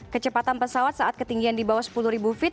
kecepatan pesawat saat ketinggian di bawah sepuluh ribu feet